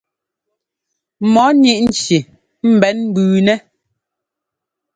Mɔɔ ŋíʼ nci mbɛ̌n mbʉʉnɛ́.